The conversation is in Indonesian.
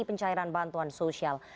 pencairan bantuan sosial